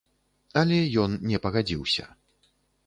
Але ён не пагадзіўся.